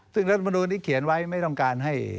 ซึ่งรัฐมนุนที่เขียนไว้ไม่ต้องการให้